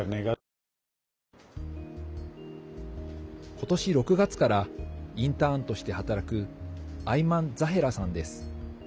今年６月からインターンとして働くアイマン・ザヘラさんです。